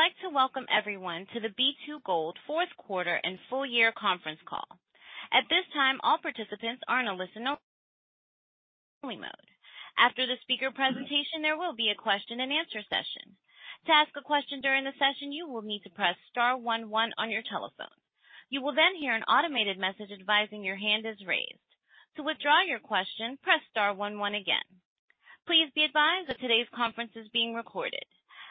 I'd like to welcome everyone to the B2Gold Q4 and full year conference call. At this time, all participants are in a listen-only mode. After the speaker presentation, there will be a question and answer session. To ask a question during the session, you will need to press star one one on your telephone. You will then hear an automated message advising your hand is raised. To withdraw your question, press star one one again. Please be advised that today's conference is being recorded.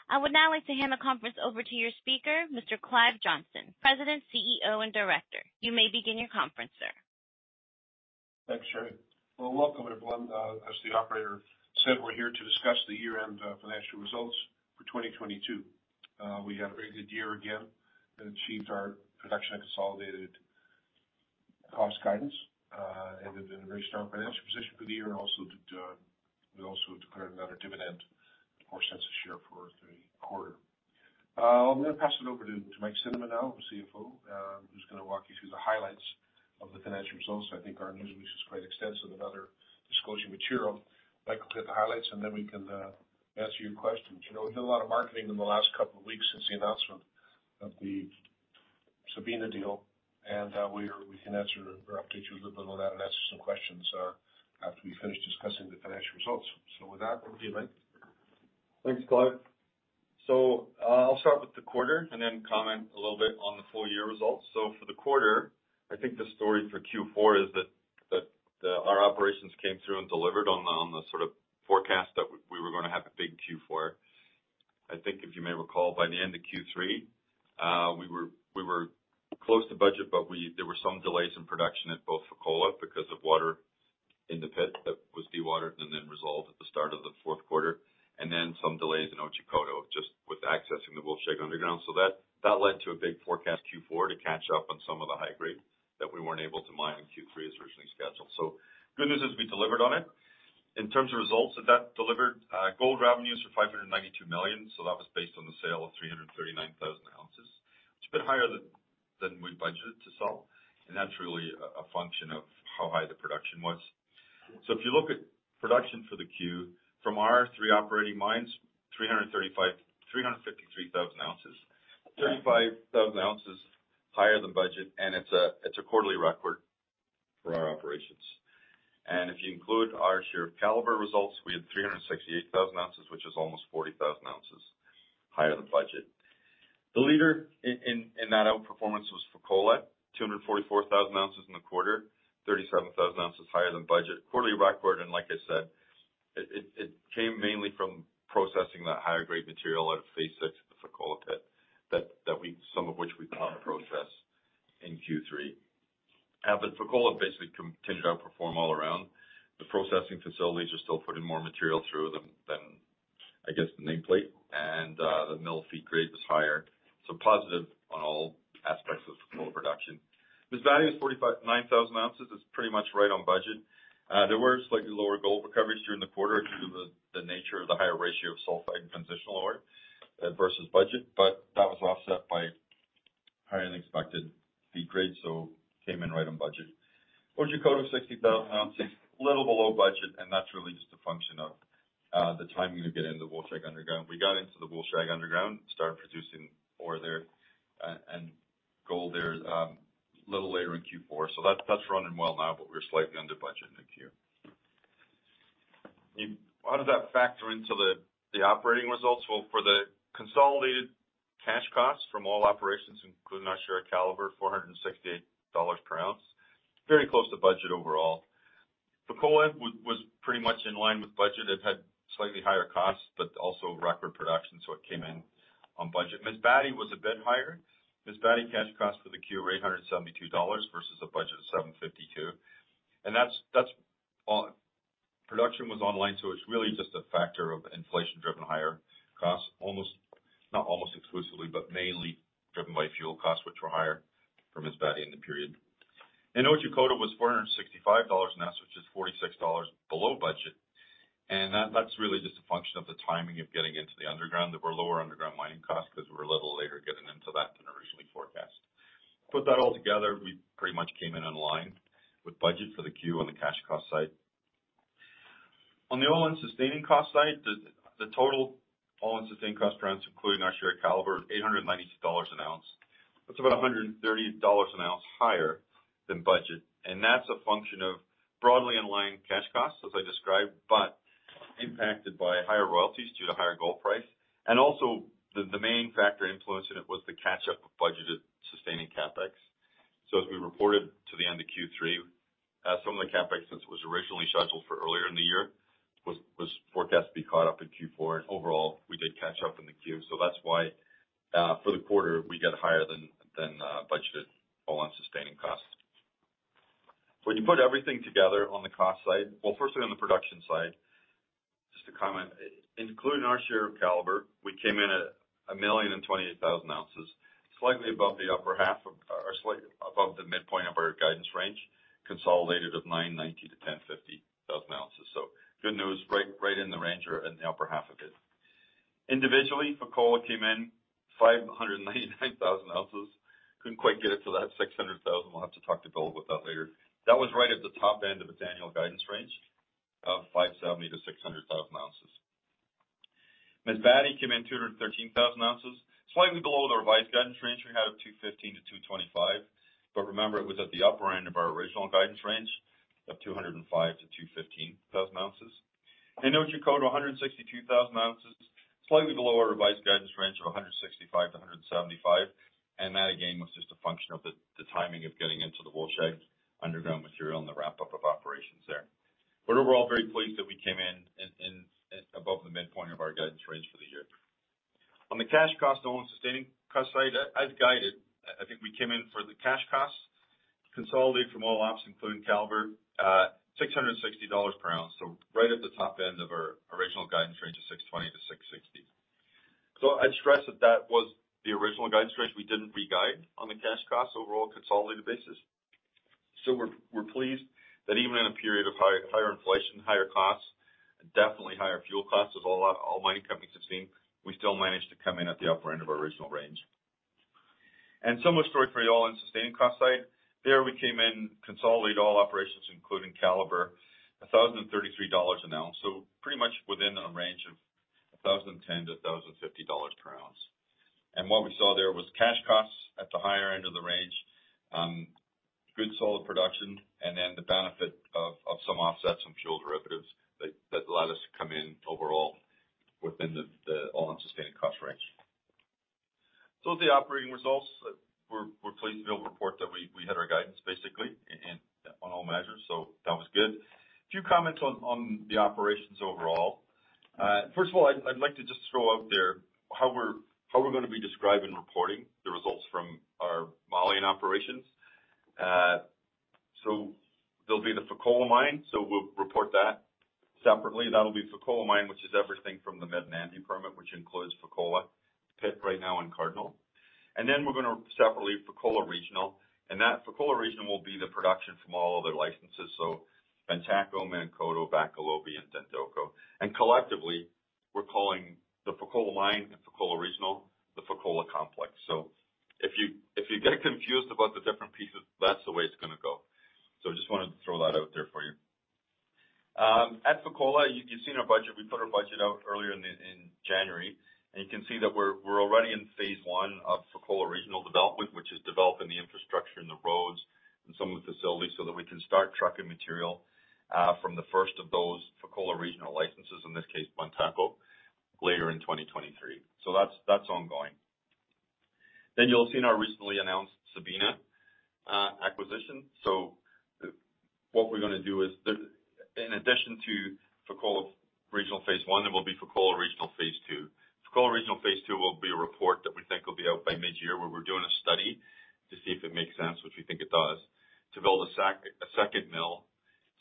I would now like to hand the conference over to your speaker, Mr. Clive Johnson, President, CEO, and Director. You may begin your conference, sir. Thanks, Sherry. Welcome, everyone. As the operator said, we're here to discuss the year-end financial results for 2022. We had a very good year again and achieved our production and consolidated cost guidance, ended in a very strong financial position for the year. We also declared another dividend of $0.04 a share for Q3 quarter. I'm gonna pass it over to Mike Cinnamond now, our CFO, who's gonna walk you through the highlights of the financial results. I think our news release is quite extensive in other disclosure material. Mike will hit the highlights, and then we can answer your questions. You know, we've done a lot of marketing in the last couple of weeks since the announcement of the Sabina deal, and we can answer or update you a little bit on that and answer some questions after we finish discussing the financial results. With that, over to you, Mike. Thanks, Clive. I'll start with the quarter and then comment a little bit on the full year results. For the quarter, I think the story for Q4 is that our operations came through and delivered on the sort of forecast that we were gonna have a big Q4. I think if you may recall, by the end of Q3, we were close to budget, but there were some delays in production at both Fekola because of water in the pit that was dewatered and then resolved at the start of the Q4, and then some delays in Otjikoto just with accessing the Wolfshag underground. That led to a big forecast Q4 to catch up on some of the high grade that we weren't able to mine in Q3 as originally scheduled. Good news is we delivered on it. In terms of results, that delivered gold revenues for $592 million. That was based on the sale of 339,000 oz. It's a bit higher than we budgeted to sell, and that's really a function of how high the production was. If you look at production for the Q, from our three operating mines, 353,000 oz. 35,000 oz higher than budget, and it's a quarterly record for our operations. If you include our share of Calibre results, we had 368,000 oz, which is almost 40,000 oz higher than budget. The leader in that outperformance was Fekola. 244,000 oz in the quarter, 37,000 oz higher than budget. Quarterly record, like I said, it came mainly from processing that higher grade material out of phase VI at the Fekola pit that some of which we couldn't process in Q3. Fekola basically continued to outperform all around. The processing facilities are still putting more material through than, I guess, the nameplate. The mill feed grade was higher, positive on all aspects of Fekola production. Masbate was 45,900 oz. It's pretty much right on budget. There were slightly lower gold recoveries during the quarter due to the nature of the higher ratio of sulfide and transitional ore versus budget, that was offset by higher than expected feed grade, came in right on budget. Otjikoto, 60,000 oz, a little below budget. That's really just a function of the timing to get into the Wolfshag underground. We got into the Wolfshag underground, started producing ore there and gold there, a little later in Q4. That's running well now, but we were slightly under budget in Q. How does that factor into the operating results? Well, for the consolidated cash costs from all operations, including our share of Calibre, $468 per oz. Very close to budget overall. Fekola was pretty much in line with budget. It had slightly higher costs, but also record production. It came in on budget. Masbate was a bit higher. Masbate cash cost for the Q were $872 versus a budget of $752. That's all. Production was online, so it's really just a factor of inflation-driven higher costs, almost exclusively, but mainly driven by fuel costs, which were higher from Masbate in the period. In Otjikoto was $465 an oz, which is 46 below budget. That's really just a function of the timing of getting into the underground. There were lower underground mining costs 'cause we were a little later getting into that than originally forecast. Put that all together, we pretty much came in in line with budget for the Q on the cash costs side. On the all-in sustaining costs side, the total all-in sustaining costs per ounce, including our share of Calibre, $892 an ounce. That's about $130 an ounce higher than budget. That's a function of broadly in line cash costs, as I described, but impacted by higher royalties due to higher gold price. Also, the main factor influence in it was the catch-up of budgeted sustaining CapEx. As we reported to the end of Q3, some of the CapEx that was originally scheduled for earlier in the year was forecast to be caught up in Q4, and overall, we did catch up in the Q. That's why for the quarter, we got higher than budgeted all-in sustaining costs. When you put everything together on the cost side. Well, firstly on the production side, just to comment, including our share of Calibre, we came in at 1,028,000 oz, slightly above the upper half of, or above the midpoint of our guidance range, consolidated of 990,000-1,050,000 oz. Good news, right in the range or in the upper half of it. Individually, Fekola came in 599,000 oz. Couldn't quite get it to that 600,000 oz. We'll have to talk to Bill about that later. That was right at the top end of its annual guidance range of 570,000-600,000 oz. Masbate came in 213,000 oz, slightly below their revised guidance range. We had 215,000-225,000 oz. Remember, it was at the upper end of our original guidance range of 205,000-215,000 oz. In Otjikoto, 162,000 oz, slightly below our revised guidance range of 165-175 oz. That, again, was just a function of the timing of getting into the Wolfshag underground material and the wrap-up of operations there. Overall, very pleased that we came in above the midpoint of our guidance range for the year. On the cash costs, all-in sustaining costs side, as guided, I think we came in for the cash costs consolidated from all ops, including Calibre, at $660 per oz. Right at the top end of our original guidance range of $620-$660. I'd stress that that was the original guidance range. We didn't re-guide on the cash costs overall consolidated basis. We're pleased that even in a period of higher inflation, higher costs, and definitely higher fuel costs as all mining companies have seen, we still managed to come in at the upper end of our original range. Similar story for the all-in sustaining costs side. There we came in, consolidate all operations, including Calibre, $1,033 an oz, so pretty much within a range of $1,010-$1,050 per oz. What we saw there was cash costs at the higher end of the range, good solid production, and then the benefit of some offsets, some fuel derivatives that allowed us to come in overall within the all-in sustaining costs range. With the operating results, we're pleased to be able to report that we hit our guidance basically on all measures, that was good. A few comments on the operations overall. First of all, I'd like to just throw out there how we're gonna be describing and reporting the results from our Malian operations. There'll be the Fekola Mine, we'll report that separately. That'll be Fekola Mine, which is everything from the Medinandi Permit, which includes Fekola Pit right now and Cardinal. Then we're gonna separately, Fekola Regional. That Fekola Regional will be the production from all other licenses, so Bantako, Menankoto, Bakolobi, and Dandoko. Collectively, we're calling the Fekola Mine and Fekola Regional, the Fekola Complex. If you get confused about the different pieces, that's the way it's gonna go. I just wanted to throw that out there for you. At Fekola, you've seen our budget. We put our budget out earlier in January. You can see that we're already in Phase one of Fekola Regional development, which is developing the infrastructure and the roads and some of the facilities so that we can start trucking material from the first of those Fekola Regional licenses, in this case, Bantako, later in 2023. That's ongoing. You'll have seen our recently announced Sabina acquisition. What we're gonna do is In addition to Fekola Regional Phase one, there will be Fekola Regional Phase II. Fekola Regional phase II will be a report that we think will be out by mid-year, where we're doing a study to see if it makes sense, which we think it does, to build a second mill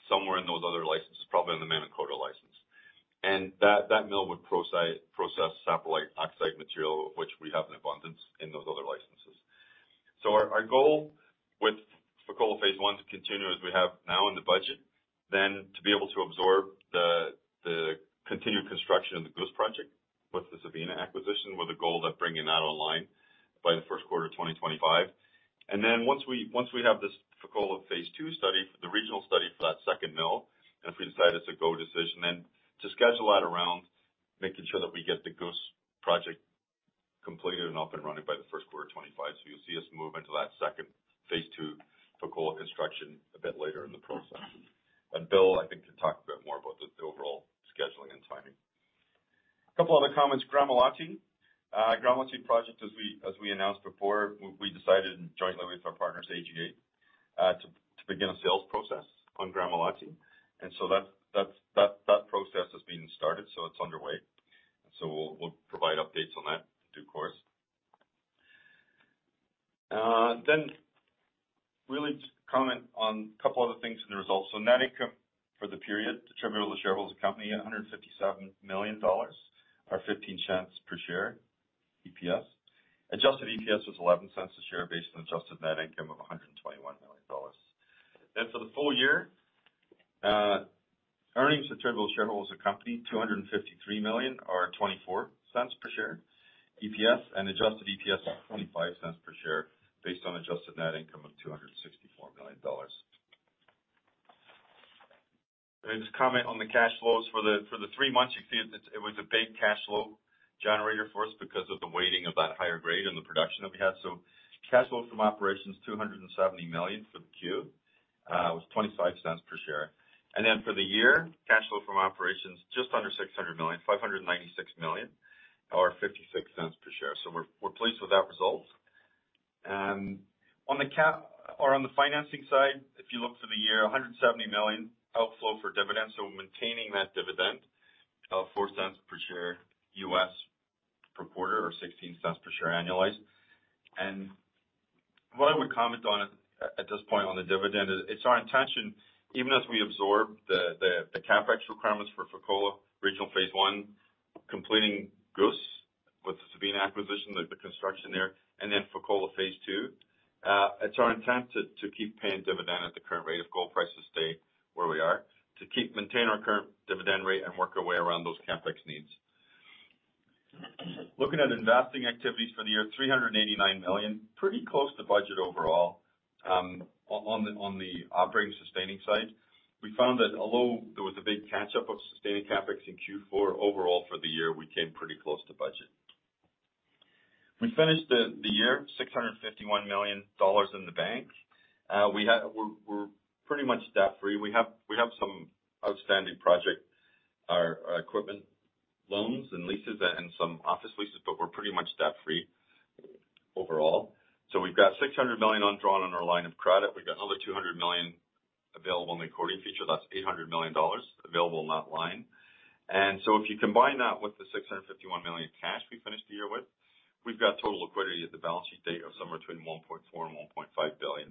somewhere in those other licenses, probably in the Menankoto license. That mill would process satellite oxide material, which we have in abundance in those other licenses. Our goal with Fekola phase one, to continue as we have now in the budget, then to be able to absorb the continued construction of the Goose project with the Sabina acquisition, with a goal of bringing that online by the Q1 of 2025. Once we have this Fekola phase II study, the regional study for that second mill, and if we decide it's a go decision, to schedule that around making sure that we get the Goose project completed and up and running by the Q1 of 2025. You'll see us move into that second phase II Fekola construction a bit later in the process. Bill, I think, can talk a bit more about the overall scheduling and timing. A couple other comments. Gramalote. Gramalote project, as we announced before, we decided jointly with our partners, AGA, to begin a sales process on Gramalote. That process has been started, so it's underway. We'll provide updates on that in due course. Really just comment on a couple other things in the results. Net income for the period attributable to shareholders of the company, $157 million or $0.15 per share EPS. Adjusted EPS was $0.11 a share based on adjusted net income of $121 million. For the full year, earnings attributable to shareholders of company, $253 million or $0.24 per share EPS. Adjusted EPS of $0.25 per share based on adjusted net income of $264 million. Just comment on the cash flows. For the three months, it was a big cash flow generator for us because of the weighting of that higher grade in the production that we had. Cash flow from operations, $270 million for the Q, was $0.25 per share. For the year, cash flow from operations, just under $600 million, $596 million or $0.56 per share. We're pleased with that result. On the cap or on the financing side, if you look for the year, $170 million outflow for dividends. Maintaining that dividend of $0.04 per share US per quarter or $0.16 per share annualized. What I would comment on at this point on the dividend is it's our intention, even as we absorb the CapEx requirements for Fekola Regional phase I, completing Goose with the Sabina acquisition, the construction there, and then Fekola phase II, it's our intent to keep paying dividend at the current rate if gold prices stay where we are, to keep maintaining our current dividend rate and work our way around those CapEx needs. Looking at investing activities for the year, $389 million, pretty close to budget overall. On the operating sustaining side, we found that although there was a big catch up of sustaining CapEx in Q4 overall for the year, we came pretty close to budget. We finished the year $651 million in the bank. We're pretty much debt-free. We have some outstanding project equipment loans and leases and some office leases, but we're pretty much debt-free overall. We've got $600 million undrawn on our line of credit. We've got another $200 million available in the accordion feature. That's $800 million available in that line. If you combine that with the $651 million cash we finished the year with, we've got total liquidity at the balance sheet date of somewhere between $1.4 billion and $1.5 billion.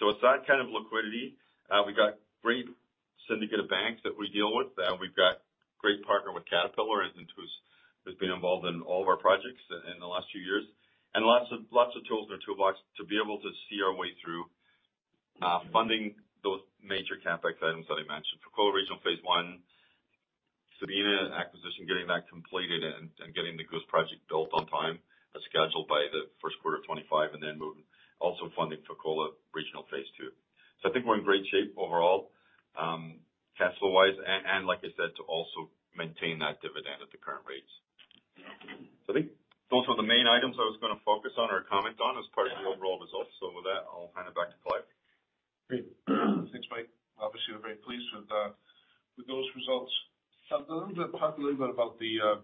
With that kind of liquidity, we've got great syndicated banks that we deal with. We've got great partner with Caterpillar and who's been involved in all of our projects in the last few years, and lots of tools in our toolbox to be able to see our way through funding those major CapEx items that I mentioned. Fekola Regional Phase I, Sabina acquisition, getting that completed and getting the Goose project built on time as scheduled by the Q1 of 2025 and then moving also funding Fekola Regional phase II. I think we're in great shape overall, cash flow wise and like I said, to also maintain that dividend at the current rates. I think those were the main items I was gonna focus on or comment on as part of the overall results. With that, I'll hand it back to Clive. Great. Thanks, Mike. Obviously, we're very pleased with those results. I'm gonna talk a little bit about the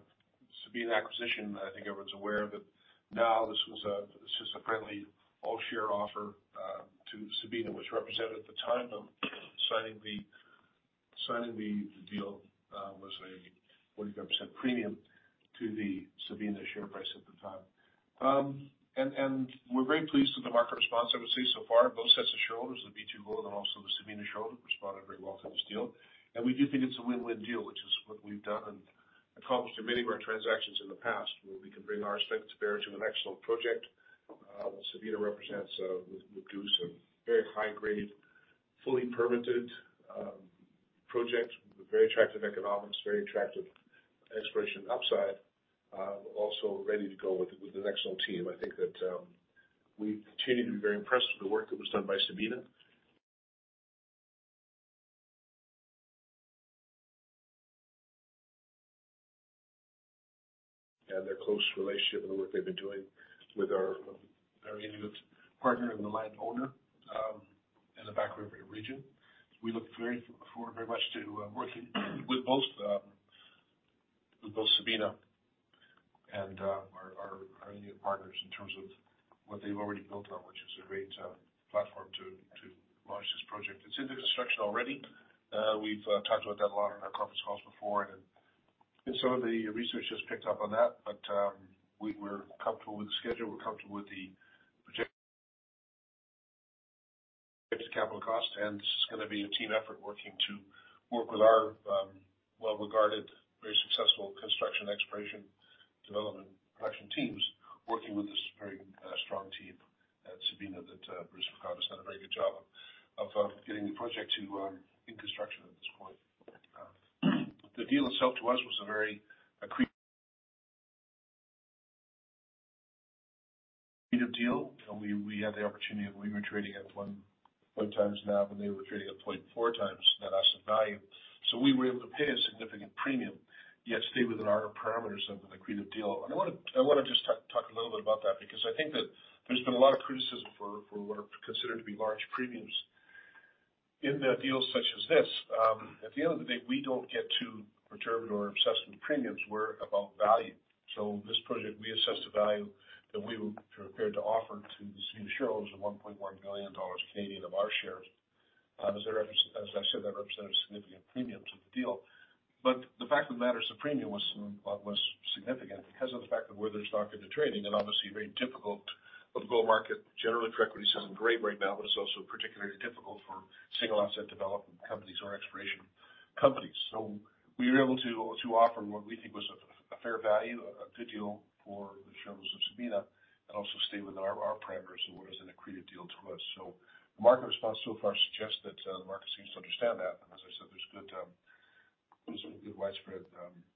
Sabina acquisition. I think everyone's aware that now this was a friendly all-share offer to Sabina, which represented at the time of signing the deal, was a 45% premium to the Sabina share price at the time. We're very pleased with the market response, I would say so far. Both sets of shareholders, the B2Gold and also the Sabina shareholders responded very well to this deal. We do think it's a win-win deal, which is what we've done and accomplished in many of our transactions in the past, where we can bring our strength to bear to an excellent project. What Sabina represents, with Goose, a very high grade, fully permitted, project with very attractive economics, very attractive exploration upside, also ready to go with an excellent team. I think that we continue to be very impressed with the work that was done by Sabina. Their close relationship and the work they've been doing with our Inuit partner and the land owner in the Back River region. We look forward very much to working with both Sabina and our Inuit partners in terms of what they've already built on, which is a great platform to launch this project. It's under construction already. We've talked about that a lot on our conference calls before, and some of the research has picked up on that, but we're comfortable with the schedule. We're comfortable with the projected capital cost, and this is gonna be a team effort working to work with our well-regarded, very successful construction exploration development production teams, working with this very strong team at Sabina that Bruce has done a very good job of getting the project to in construction at this point. The deal itself to us was a very accretive deal, and we had the opportunity and we were trading at 1.0x NAV, and they were trading at 0.4x net asset value. We were able to pay a significant premium, yet stay within our parameters of an accretive deal. I wanna just talk a little bit about that because I think that there's been a lot of criticism for what are considered to be large premiums in the deals such as this. At the end of the day, we don't get too perturbed or obsessed with premiums. We're about value. This project, we assessed the value that we were prepared to offer to the Sabina shareholders of 1.1 billion Canadian dollars of our shares. As I said, that represented a significant premium to the deal. The fact of the matter is the premium was significant because of the fact of where there's market to trading and obviously very difficult of gold market generally for equity. It's isn't great right now, but it's also particularly difficult for single asset development companies or exploration companies. We were able to offer what we think was a fair value, a good deal for the shareholders of Sabina and also stay within our parameters and what is an accretive deal to us. The market response so far suggests that the market seems to understand that. As I said, there's good, there's some good widespread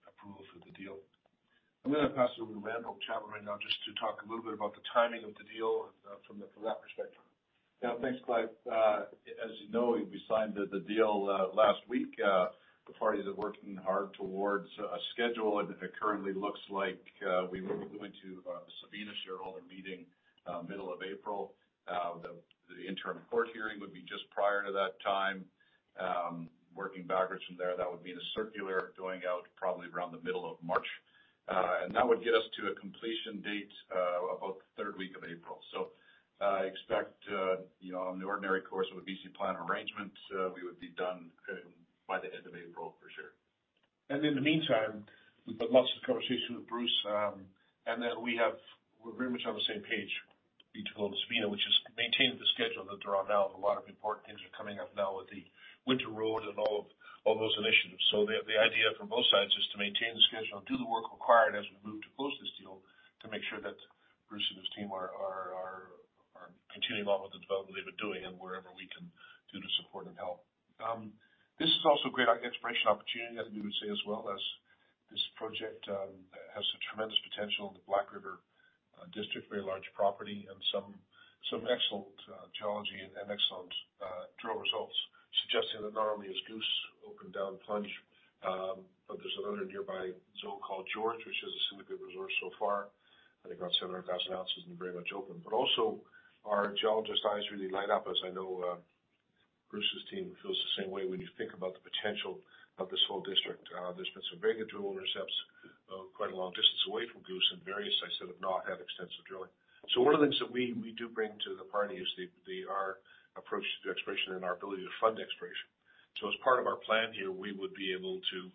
approval for the deal. I'm gonna pass it over to Randall Chatwin right now just to talk a little bit about the timing of the deal from that perspective. Yeah. Thanks, Clive. As you know, we signed the deal last week. The parties are working hard towards a schedule, and it currently looks like we will be going to the Sabina shareholder meeting middle of April. The interim court hearing would be just prior to that time. Working backwards from there, that would be the circular going out probably around the middle of March. That would get us to a completion date about the third week of April. I expect, you know, in the ordinary course of a BC plan of arrangement, we would be done by the end of April for sure. In the meantime, we've had lots of conversation with Bruce, and that we're very much on the same page, B2Gold and Sabina, which is to maintain the schedule that drawn out. A lot of important things are coming up now with the winter road and all those initiatives. The idea from both sides is to maintain the schedule and do the work required as we move to close this deal to make sure that Bruce and his team are continuing on with the development they've been doing and wherever we can do to support and help. This is also a great exploration opportunity, as we would say as well, as this project has a tremendous potential in the Black River district, very large property and some excellent geology and excellent drill results suggesting that not only is Goose open down-plunge, but there's another nearby zone called George, which is a similarly good resource so far. I think about 700,000 oz and very much open. Also our geologist's eyes really light up, as I know Bruce's team feels the same way when you think about the potential of this whole district. There's been some Vega drill intercepts, quite a long distance away from Goose and various sites that have not had extensive drilling. One of the things that we do bring to the party is the our approach to exploration and our ability to fund exploration. As part of our plan here, we would be able to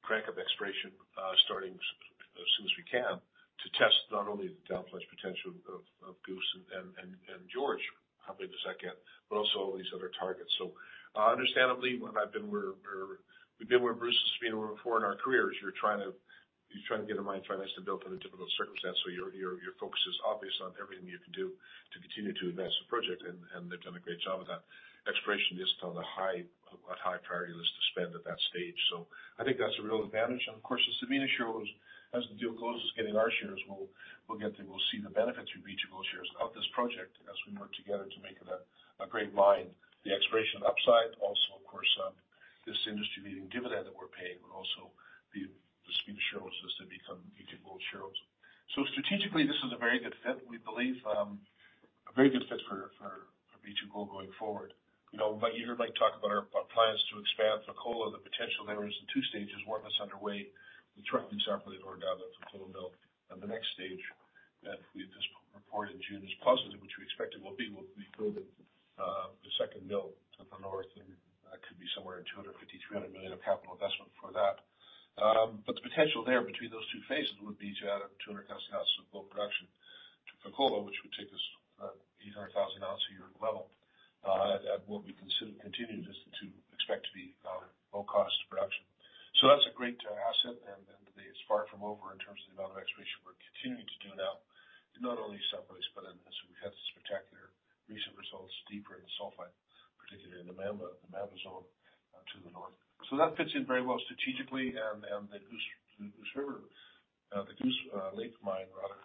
crank up exploration as soon as we can to test not only the down-plunge potential of Goose and George, hopefully the second, but also all these other targets. Understandably, when I've been or we've been where Bruce has been before in our careers, you're trying to get a mine financed and built under difficult circumstances, so your focus is obvious on everything you can do to continue to advance the project. They've done a great job of that. Exploration just on a high priority list to spend at that stage. I think that's a real advantage. Of course, the Sabina shareholders, as the deal closes, getting our shares, we'll see the benefits from each of those shares of this project as we work together to make it a great mine. The exploration upside also, of course, this industry leading dividend that we're paying will also be the speed of shareholders as they become B2Gold shareholders. Strategically, this is a very good fit, we believe, a very good fit for B2Gold going forward. You know, you heard Mike talk about our plans to expand Fekola, the potential there is in two stages, one that's underway. We're currently separately going down the Fekola mill. The next stage that we just reported in June is positive, which we expect it will be good. The second mill to the north, that could be somewhere in $250 million-$300 million of capital investment for that. The potential there between those two phases would be to add 200,000 oz of gold production to Fekola, which would take us 800,000 oz a year level at what we consider continued is to expect to be low cost production. That's a great asset, and it's far from over in terms of the amount of exploration we're continuing to do now, not only subsurface, but as we've had spectacular recent results deeper in the sulfide, particularly in the Mamba zone to the north. That fits in very well strategically. The Goose Lake mine rather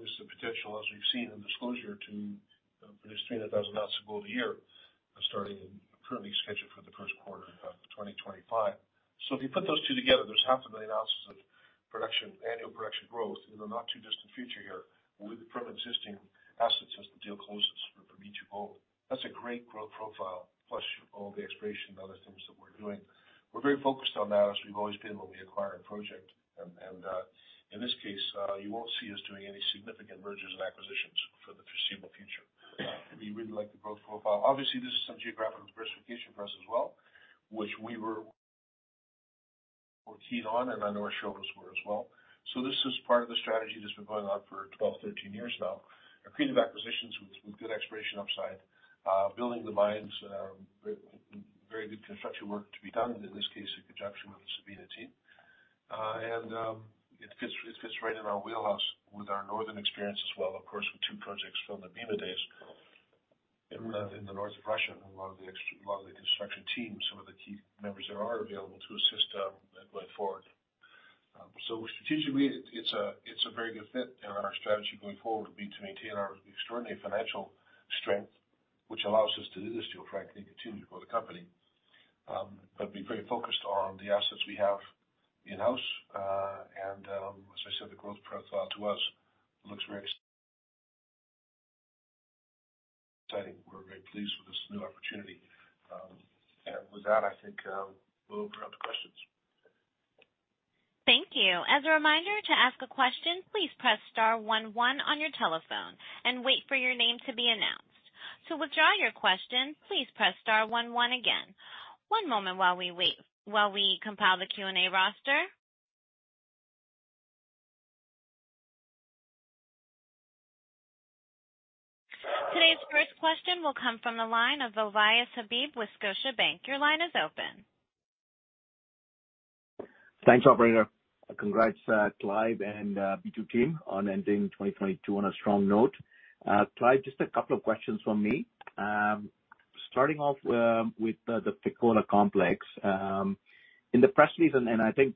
is the potential, as we've seen in disclosure, to produce 300,000 oz of gold a year, starting in currently scheduled for the Q1 of 2025. If you put those two together, there's half a million ounces of production, annual production growth in the not too distant future here with the current existing assets as the deal closes for B2Gold. That's a great growth profile, plus all the exploration and other things that we're doing. We're very focused on that, as we've always been when we acquire a project. In this case, you won't see us doing any significant mergers and acquisitions for the foreseeable future. We really like the growth profile. Obviously, this is some geographical diversification for us as well, which we were keen on, and I know our shareholders were as well. This is part of the strategy that's been going on for 12, 13 years now. Acquiring acquisitions with good exploration upside, building the mines, very good construction work to be done, in this case, in conjunction with the Sabina team. It fits right in our wheelhouse with our northern experience as well, of course, with two projects from the Bema days in the north of Russia. A lot of the construction team, some of the key members there are available to assist going forward. Strategically, it's a very good fit. Our strategy going forward will be to maintain our extraordinary financial strength, which allows us to do this deal, frankly, and continue to grow the company. Be very focused on the assets we have in-house. As I said, the growth profile to us looks very exciting. We're very pleased with this new opportunity. With that, I think, we'll open it up to questions. Thank you. As a reminder to ask a question, please press star one one on your telephone and wait for your name to be announced. To withdraw your question, please press star one one again. One moment while we compile the Q&A roster. Today's first question will come from the line of Ovais Habib with Scotiabank. Your line is open. Thanks, operator. Congrats, Clive and B2 team on ending 2022 on a strong note. Clive, just a couple of questions from me. Starting off with the Fekola Complex. In the press release, and I think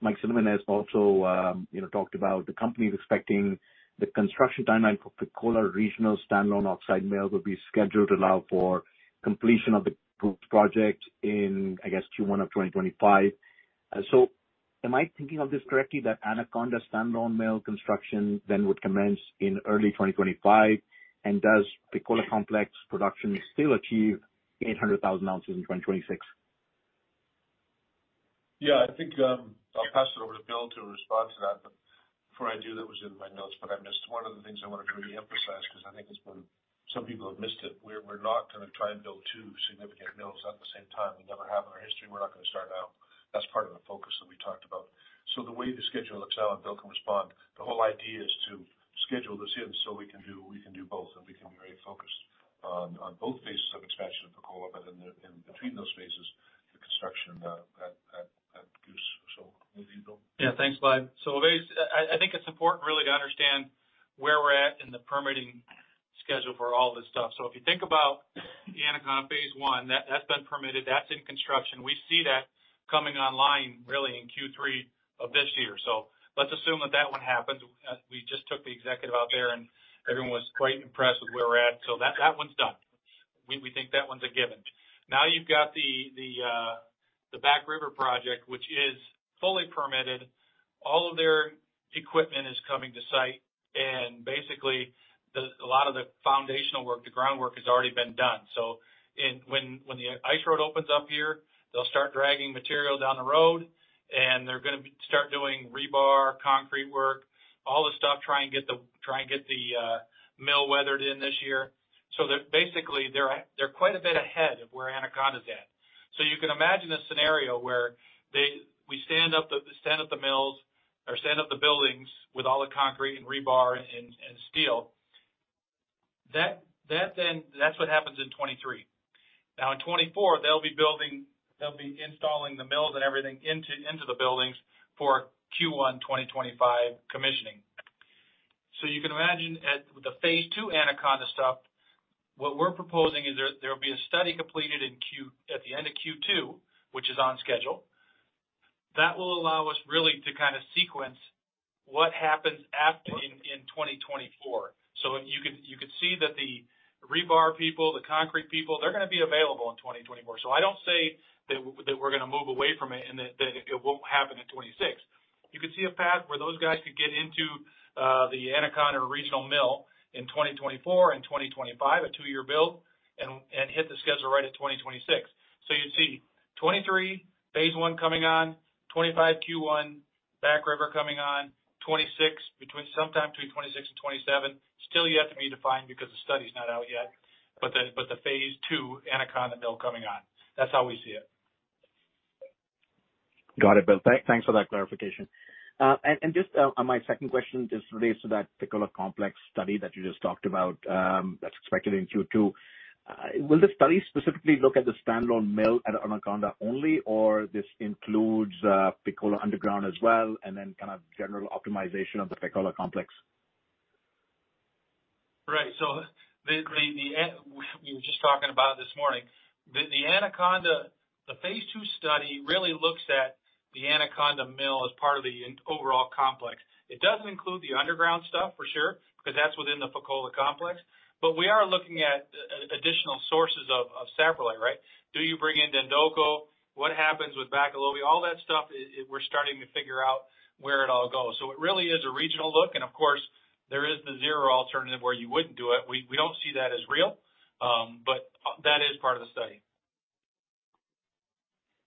Mike Cinnamond has also, you know, talked about the company is expecting the construction timeline for Fekola regional standalone oxide mill will be scheduled to allow for completion of the Goose project in, I guess, Q1 of 2025. Am I thinking of this correctly, that Anaconda standalone mill construction then would commence in early 2025? Does Fekola Complex production still achieve 800,000 oz in 2026? I think I'll pass it over to Bill to respond to that. Before I do, that was in my notes, I missed one of the things I wanted to re-emphasize because I think it's been. Some people have missed it. We're not gonna try and build two significant mills at the same time. We never have in our history. We're not gonna start now. That's part of the focus that we talked about. The way the schedule looks now, and Bill can respond, the whole idea is to schedule this in so we can do both, and we can be very focused on both phases of expansion of Fekola. In between those phases, the construction at. Thanks, Bud. Ovais, I think it's important really to understand where we're at in the permitting schedule for all this stuff. If you think about the Anaconda phase I, that's been permitted, that's in construction. We see that coming online really in Q3 of this year. Let's assume that that one happens. As we just took the executive out there, and everyone was quite impressed with where we're at. That one's done. We think that one's a given. Now you've got the Back River project, which is fully permitted. All of their equipment is coming to site. Basically, a lot of the foundational work, the groundwork has already been done. When the ice road opens up here, they'll start dragging material down the road, and they're gonna start doing rebar, concrete work, all the stuff, try and get the mill weathered in this year. That basically they're quite a bit ahead of where Anaconda's at. You can imagine a scenario where we stand up the mills or stand up the buildings with all the concrete and rebar and steel. That's what happens in 2023. In 2024, they'll be installing the mills and everything into the buildings for Q1 2025 commissioning. You can imagine at the phase II Anaconda stuff, what we're proposing is there will be a study completed at the end of Q2, which is on schedule. That will allow us really to kind of sequence what happens after in 2024. You can see that the rebar people, the concrete people, they're going to be available in 2024. I don't say that we're going to move away from it and that it won't happen in 2026. You could see a path where those guys could get into the Anaconda regional mill in 2024 and 2025, a two-year build, and hit the schedule right at 2026. You'd see 2023, phase one coming on. 2025 Q1, Back River coming on. 2026, sometime between 2026 and 2027, still yet to be defined because the study's not out yet. The phase II Anaconda mill coming on. That's how we see it. Got it, Bill. Thanks for that clarification. Just on my second question, just relates to that Fekola complex study that you just talked about, that's expected in Q2. Will the study specifically look at the standalone mill at Anaconda only, or this includes Fekola underground as well, and then kind of general optimization of the Fekola complex? Right. We were just talking about it this morning. The Anaconda, the phase II study really looks at the Anaconda mill as part of the overall complex. It does include the underground stuff for sure, because that's within the Fekola complex. We are looking at additional sources of saprolite, right? Do you bring in Dandoko? What happens with Bakolobi? All that stuff we're starting to figure out where it all goes. It really is a regional look. Of course, there is the zero alternative where you wouldn't do it. We don't see that as real, that is part of the study.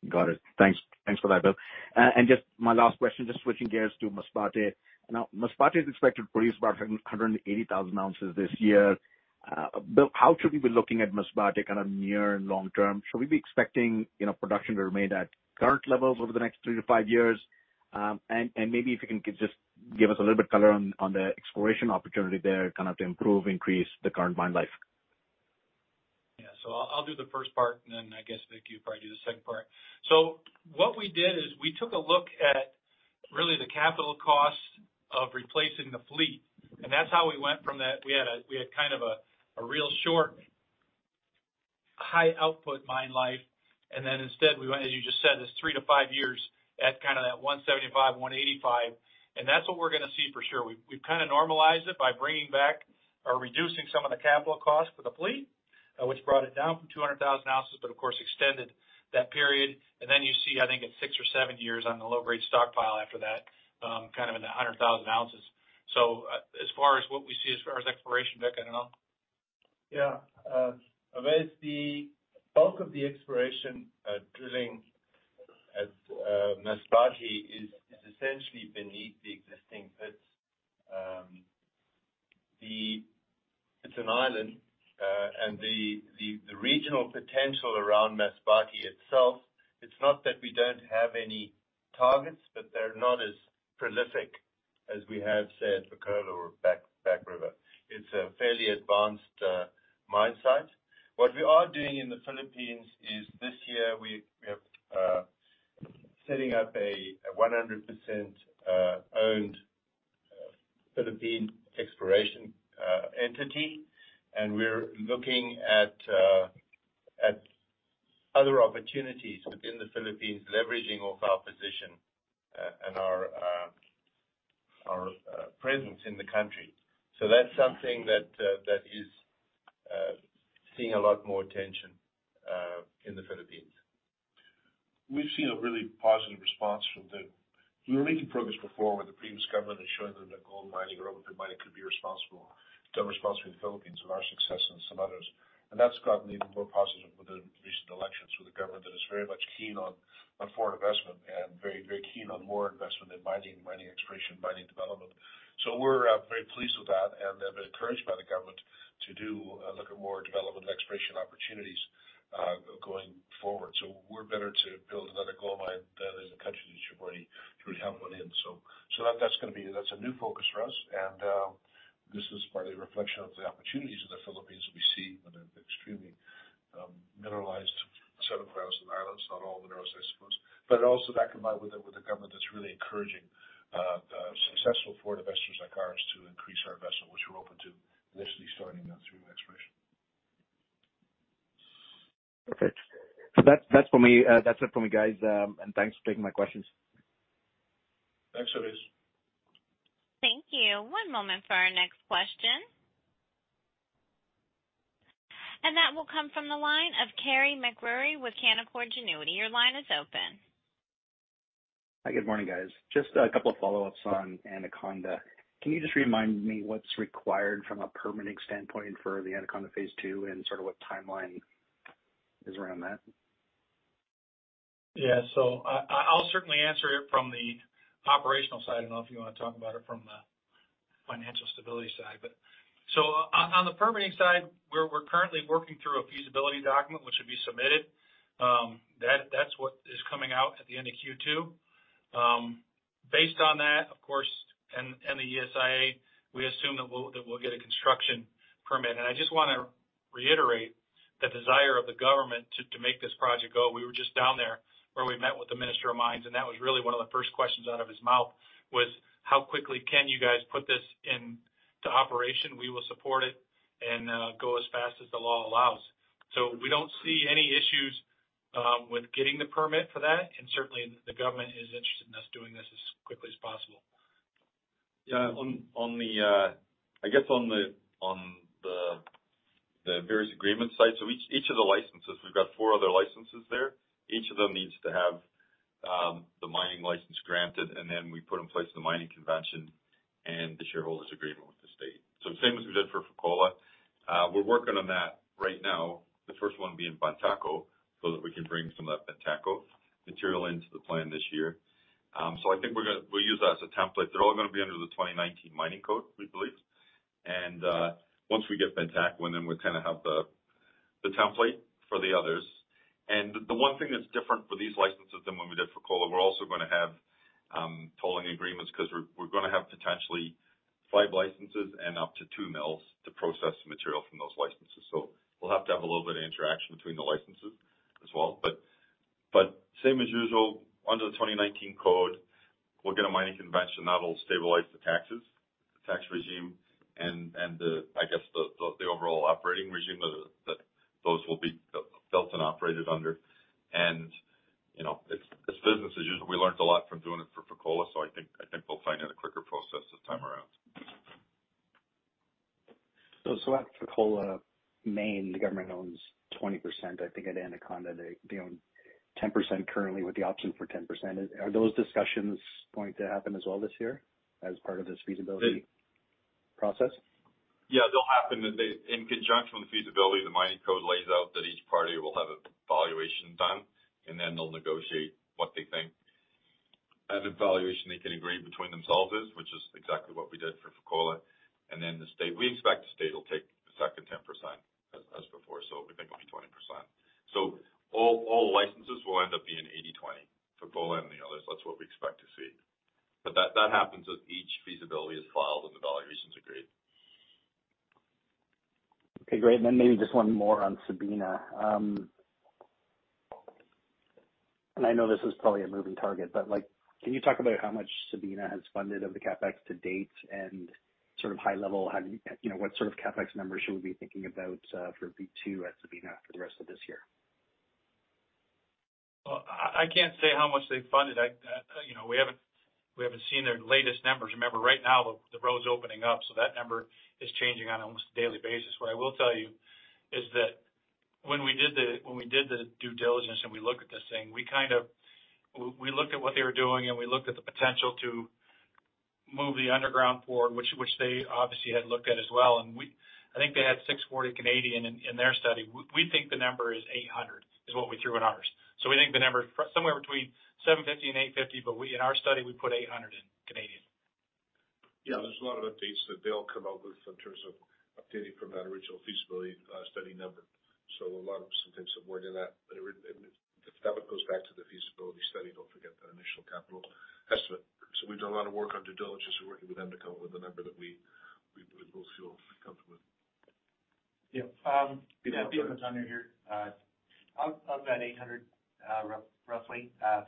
Got it. Thanks. Thanks for that, Bill. Just my last question, just switching gears to Masbate. Masbate is expected to produce about 180,000 oz this year. Bill, how should we be looking at Masbate kind of near and long term? Should we be expecting, you know, production to remain at current levels over the next three to five years? Maybe if you can just give us a little bit color on the exploration opportunity there, kind of to improve, increase the current mine life. I'll do the first part, and then I guess, Vic, you probably do the second part. What we did is we took a look at really the capital cost of replacing the fleet, and that's how we went from that. We had kind of a real short high output mine life. Instead, we went, as you just said, this three to five years at kind of that 175, 185. That's what we're gonna see for sure. We've kinda normalized it by bringing back or reducing some of the capital costs for the fleet, which brought it down from 200,000 oz, but of course extended that period. Then you see, I think it's six or seven years on the low-grade stockpile after that, kind of in the 100,000 oz. As far as what we see as far as exploration, Vic, I don't know. Yeah. Ovais, the bulk of the exploration drilling at Masbate is essentially beneath the existing pits. It's an island, and the regional potential around Masbate itself, it's not that we don't have any targets, but they're not as prolific as we have, say, at Fekola or Back River. It's a fairly advanced mine site. What we are doing in the Philippines is this year we have setting up a 100% owned Philippine exploration entity. We're looking at other opportunities within the Philippines, leveraging off our position, and our presence in the country. That's something that is seeing a lot more attention in the Philippines. We've seen a really positive response. We were making progress before with the previous government and showing them that gold mining or open-pit mining could be responsible, done responsibly in the Philippines with our success and some others. That's gotten even more positive with the recent elections, with a government that is very much keen on foreign investment and very, very keen on more investment in mining exploration, mining development. We're very pleased with that and have been encouraged by the government to do, look at more development and exploration opportunities, going forward. We're better to build another gold mine than in a country that you've already have one in. That's a new focus for us. This is partly a reflection of the opportunities in the Philippines that we see with an extremely mineralized set of islands and islands, not all minerals, I suppose, but also backed by a government that's really encouraging successful foreign investors like ours to increase our investment, which we're open to literally starting that through exploration. Perfect. That's for me. That's it for me, guys, thanks for taking my questions. Thanks, Ovais. Thank you. One moment for our next question. That will come from the line of Carey MacRury with Canaccord Genuity. Your line is open. Hi. Good morning, guys. Just a couple of follow-ups on Anaconda. Can you just remind me what's required from a permitting standpoint for the Anaconda phase II and sort of what timeline is around that? Yeah. I'll certainly answer it from the operational side. I don't know if you wanna talk about it from the financial stability side, but so on the permitting side, we're currently working through a feasibility document, which will be submitted, that's what is coming out at the end of Q2. Based on that, of course, and the ESIA, we assume that we'll get a construction permit. I just wanna reiterate the desire of the government to make this project go. We were just down there, where we met with the Minister of Mines, and that was really one of the first questions out of his mouth was: How quickly can you guys put this into operation? We will support it and go as fast as the law allows. We don't see any issues with getting the permit for that. Certainly the government is interested in us doing this as quickly as possible. Yeah. On the, I guess on the various agreement sites, each of the licenses, we've got four other licenses there. Each of them needs to have the mining license granted, and then we put in place the mining convention and the shareholders agreement with the state. Same as we did for Fekola. We're working on that right now, the first one being Bantako, so that we can bring some of that Bantako material into the plan this year. I think we'll use that as a template. They're all gonna be under the 2019 mining code, we believe. Once we get Bantako, then we kinda have the template for the others. The one thing that's different for these licenses than when we did Fekola, we're also gonna have tolling agreements 'cause we're gonna have potentially five licenses and up to two mills to process the material from those licenses. We'll have to have a little bit of interaction between the licenses as well. Same as usual, under the 2019 code, we'll get a mining convention that'll stabilize the taxes, the tax regime and the overall operating regime that those will be built and operated under. You know, it's business as usual. We learned a lot from doing it for Fekola, so I think we'll find it a quicker process this time around. At Fekola, the government owns 20%. I think at Anaconda they own 10% currently with the option for 10%. Are those discussions going to happen as well this year as part of this feasibility. It. Process? Yeah. They'll happen. In conjunction with the feasibility, the mining code lays out that each party will have evaluation done, and then they'll negotiate what they think an evaluation they can agree between themselves is, which is exactly what we did for Fekola. The state, we expect the state will take the second 10% as before. We think it'll be 20%. All licenses will end up being 80/20, Fekola and the others. That's what we expect to see. That happens as each feasibility is filed and the valuations agreed. Okay, great. Maybe just one more on Sabina. I know this is probably a moving target, but, like, can you talk about how much Sabina has funded of the CapEx to date and sort of high level, you know, what sort of CapEx numbers should we be thinking about for B2 at Sabina for the rest of this year? I can't say how much they funded. I, you know, we haven't seen their latest numbers. Remember, right now, the road's opening up, so that number is changing on almost a daily basis. What I will tell you is that when we did the due diligence and we looked at this thing, We looked at what they were doing, and we looked at the potential to move the underground forward, which they obviously had looked at as well. I think they had six point Canadian in their study. We think the number is 800, is what we threw in ours. We think the number is somewhere between 750 and 850, but we, in our study, we put 800. Yeah. There's a lot of updates that they'll come out with in terms of updating from that original feasibility study number. A lot of, some types of work in that. That goes back to the feasibility study, don't forget, that initial capital estimate. We've done a lot of work on due diligence. We're working with them to come up with a number that we both feel comfortable with. Yeah. Peter. Peter Montano here. Of that $800, roughly 35% has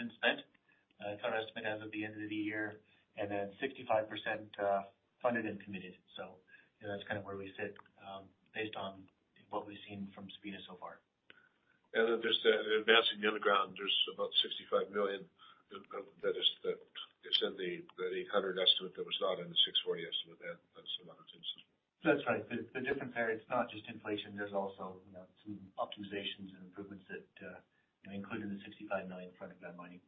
been spent. It's our estimate as of the end of the year, and then 65% funded and committed. You know, that's kind of where we sit, based on what we've seen from Sabina so far. There's the advancing the underground. There's about $65 million of that is in the $800 estimate that was not in the $640 estimate. That's the amount. That's right. The difference there, it's not just inflation, there's also, you know, some optimizations and improvements that, you know, including the $65 million in front of that money.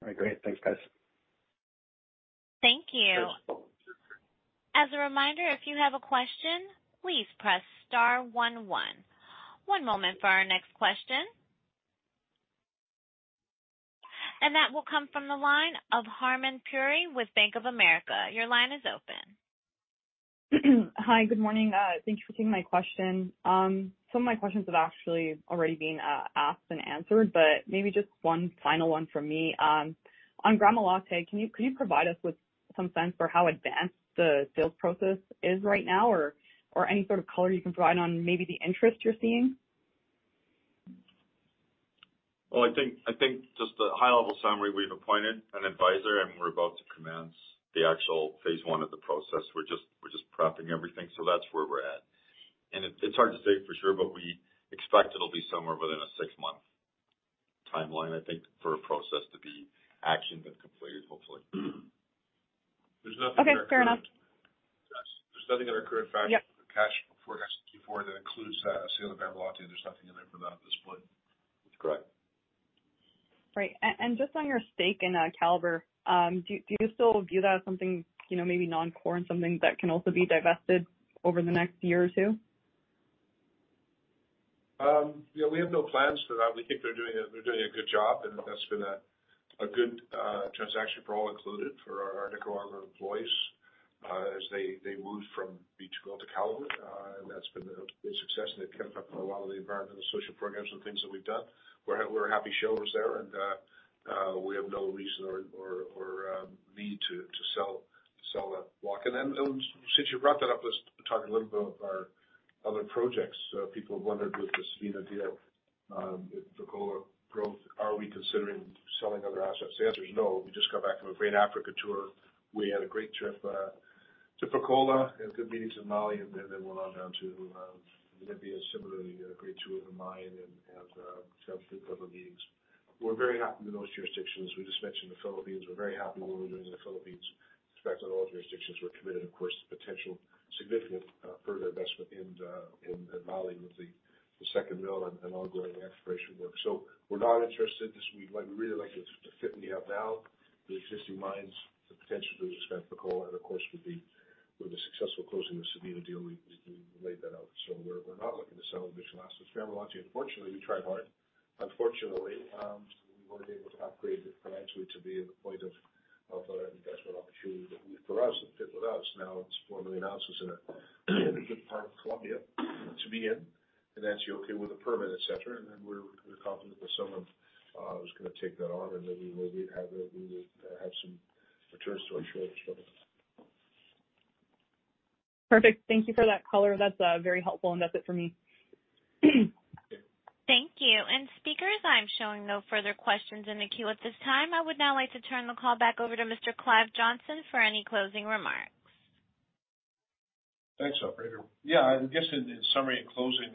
All right, great. Thanks, guys. Thank you. As a reminder, if you have a question, please press star one one. One moment for our next question. That will come from the line of Harmen Puri with Bank of America. Your line is open. Hi, good morning. Thank you for taking my question. Some of my questions have actually already been asked and answered, but maybe just one final one from me. On Gramalote, can you provide us with some sense for how advanced the sales process is right now or any sort of color you can provide on maybe the interest you're seeing? Well, I think just a high-level summary, we've appointed an advisor, we're about to commence the actual phase I of the process. We're just prepping everything, that's where we're at. It's hard to say for sure, we expect it'll be somewhere within a six-month timeline, I think, for a process to be actioned and completed, hopefully. There's nothing in our current. Okay, fair enough. There's nothing in our current forecast. Yep. Or cash forecast Q4 that includes sale of Gramalote. There's nothing in there for that at this point. That's correct. Right. Just on your stake in Calibre, do you still view that as something, you know, maybe non-core and something that can also be divested over the next year or two? Yeah, we have no plans for that. We think they're doing a good job, and that's been a good transaction for all included, for our employees, as they moved from B2Gold to Calibre. That's been a success, and they've kept up a lot of the environmental and social programs and things that we've done. We're happy shareholders there, we have no reason or need to sell that block. Since you brought that up, let's talk a little bit about our other projects. People have wondered with the Sabina deal, with Fekola growth, are we considering selling other assets? The answer is no. We just got back from a great Africa tour. We had a great trip to Fekola. Had good meetings in Mali, went on down to Namibia. Similarly, had a great tour of the mine and have good couple of meetings. We're very happy with those jurisdictions. We just mentioned the Philippines. We're very happy with what we're doing in the Philippines. Expect on all jurisdictions we're committed, of course, to potential significant further investment in Mali with the second mill and ongoing exploration work. We're not interested. We'd really like to fit in the upval, the existing mines, the potential to expand Fekola, of course, with the successful closing of Sabina deal, we laid that out. We're not looking to sell additional assets. Gramalote, unfortunately, we tried hard. Unfortunately, we weren't able to upgrade it financially to be at a point of an investment opportunity. For us, it fit with us. Now it's four million oz in a good part of Colombia to be in, and that's okay with a permit, et cetera. We're confident that someone is gonna take that on and that we will have some returns to our shareholders from it. Perfect. Thank you for that color. That's very helpful, and that's it for me. Thank you. Speakers, I'm showing no further questions in the queue at this time. I would now like to turn the call back over to Mr. Clive Johnson for any closing remarks. Thanks, operator. I guess in summary, in closing,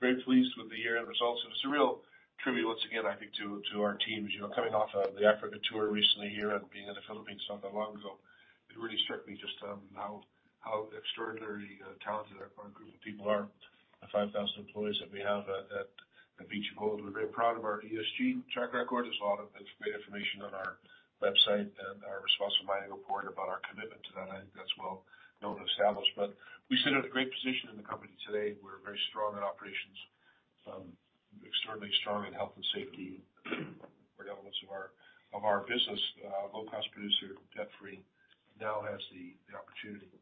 very pleased with the year-end results. It was a real tribute once again, I think, to our teams. You know, coming off of the Africa tour recently here and being in the Philippines not that long ago, it really struck me just how extraordinarily talented our group of people are, the 5,000 employees that we have at B2Gold. We're very proud of our ESG track record. It's great information on our website and our responsible mining report about our commitment to that. I think that's well-known and established. We sit at a great position in the company today. We're very strong in operations, extremely strong in health and safety, core elements of our business. Low-cost producer, debt-free, now has the opportunity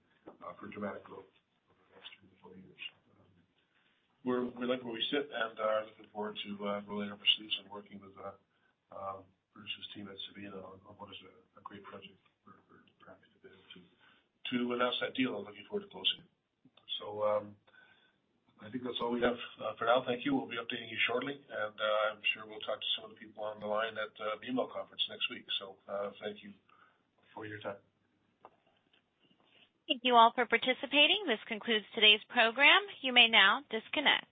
for dramatic growth over the next two to four years. We like where we sit and are looking forward to rolling up our sleeves and working with Bruce's team at Sabina on what is a great project. We're proud to be able to announce that deal and looking forward to closing it. I think that's all we have for now. Thank you. We'll be updating you shortly, and I'm sure we'll talk to some of the people on the line at the BMO conference next week. Thank you for your time. Thank you all for participating. This concludes today's program. You may now disconnect.